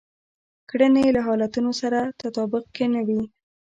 کړنې يې له حالتونو سره تطابق کې نه وي.